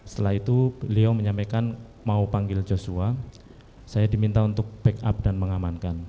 setelah itu beliau menyampaikan mau panggil joshua saya diminta untuk backup dan mengamankan